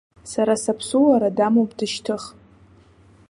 Са саԥсуара дамоуп дышьҭых.